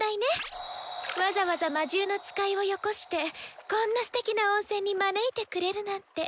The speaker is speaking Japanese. わざわざ魔獣の使いをよこしてこんなステキな温泉に招いてくれるなんて。